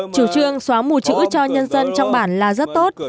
chủ trương xóa mù chữ cho nhân dân trong bản là rất tốt